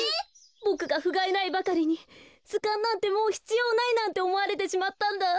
ボクがふがいないばかりにずかんなんてもうひつようないなんておもわれてしまったんだ。